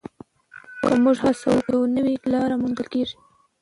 که موږ هڅه وکړو، یوه نوې لاره موندل کېږي.